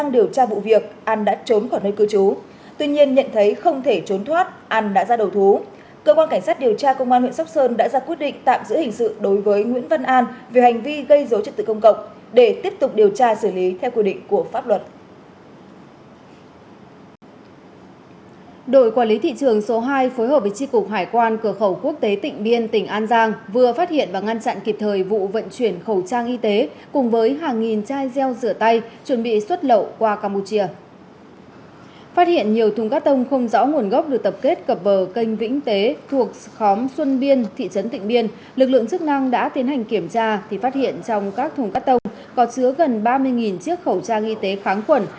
lực lượng chức năng đã tiến hành kiểm tra thì phát hiện trong các thùng cắt tông có chứa gần ba mươi chiếc khẩu trang y tế kháng quẩn